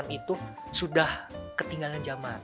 itu sudah ketinggalan zaman